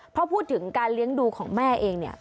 พอพูดถึงการเลี้ยงดูของแม่เองเนี่ย